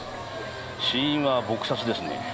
死因は撲殺ですね。